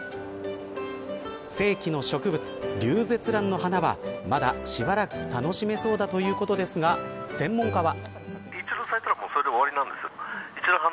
世紀の植物リュウゼツランの花はまだしばらく楽しめそうだということですが専門家は。